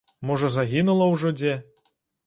Можа, загінула ўжо дзе.